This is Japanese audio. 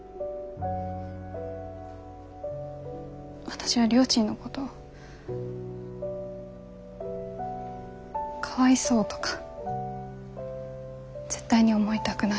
私はりょーちんのことかわいそうとか絶対に思いたくない。